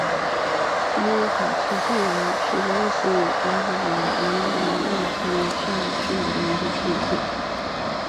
穆尔塔诺沃村委员会是俄罗斯联邦阿斯特拉罕州沃洛达尔斯基区所属的一个村委员会。